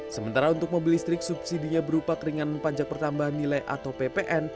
sementara untuk mobil listrik subsidinya berupa keringanan pajak pertambahan nilai atau ppn